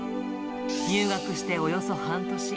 入学しておよそ半年。